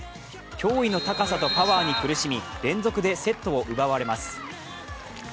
驚異の高さとパワーに苦しみ連続でセットを奪われます。